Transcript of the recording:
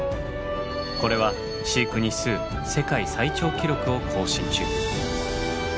これは飼育日数世界最長記録を更新中。